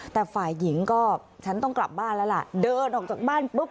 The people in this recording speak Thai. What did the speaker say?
แต่ฝ่ายหญิงก็ฉันต้องกลับบ้านแล้วล่ะเดินออกจากบ้านปุ๊บ